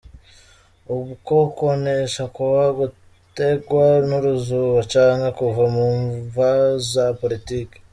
Ukwo kwonesha kwoba gutegwa n'uruzuba canke kuva ku mvo za politike?.